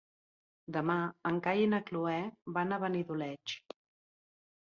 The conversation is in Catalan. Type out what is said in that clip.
Demà en Cai i na Cloè van a Benidoleig.